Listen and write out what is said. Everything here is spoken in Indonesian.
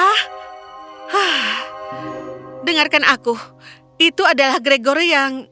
hah dengarkan aku itu adalah gregor yang